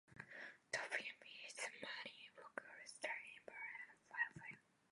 The film is in a mockumentary style in black-and-white film.